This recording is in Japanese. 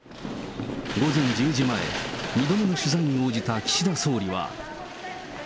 午前１０時前、２度目の取材に応じた岸田総理は。